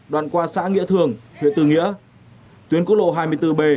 đoàn qua xã nghĩa thường huyện tư nghĩa tuyến quốc lộ hai mươi bốn b